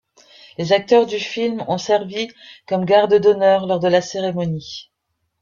Les acteurs du film ont servi comme garde d'honneur lors de la cérémonie.